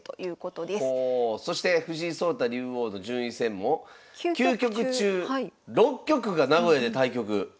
そして藤井聡太竜王の順位戦も９局中６局が名古屋で対局。